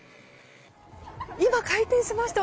今、開店しました！